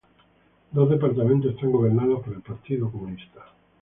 Dos departamentos están gobernados por el Partido Comunista.